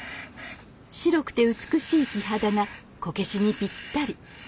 白くて美しい木肌がこけしにぴったり。